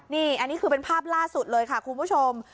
นี่อันนี้คือเป็นภาพล่าสุดเลยค่ะคุณผู้ชม